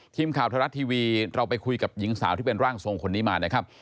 ทีมข่าวไทยรัฐทีวีเราไปคุยกับหญิงสาวที่เป็นร่างทรงคนนี้มานะครับ